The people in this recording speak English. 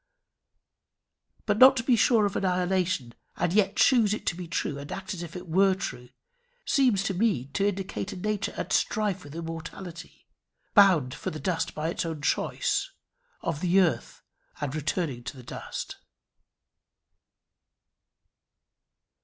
But not to be sure of annihilation, and yet choose it to be true, and act as if it were true, seems to me to indicate a nature at strife with immortality bound for the dust by its own choice of the earth, and returning to the dust."